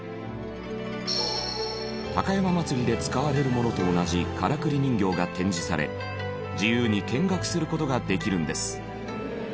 高山祭で使われるものと同じからくり人形が展示され自由に見学する事ができるんです。